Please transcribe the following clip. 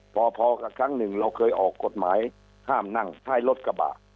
พอกับครั้งหนึ่งเราเคยออกกฎหมายห้ามนั่งท้ายรถกระบะ